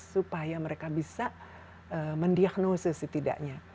supaya mereka bisa mendiagnosis setidaknya